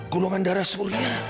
colongan darah seumur ya